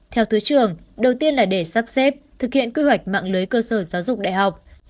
theo thứ trưởng đầu tiên là để sắp xếp thực hiện quy hoạch mạng lưới cơ sở giáo dục đại học